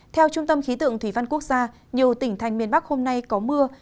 theo trung tâm khí tượng thủy văn quốc gia nhiều tỉnh thành miền bắc hôm nay có mưa